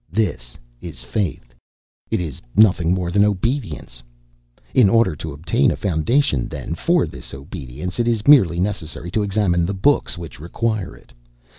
This is faith; it is nothing more than obedience. In order to obtain a foundation then for this obedience, it is merely necessary to examine the books which require it.